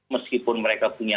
meskipun mereka punya